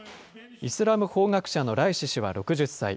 イスラム法学者のライシ師は６０歳。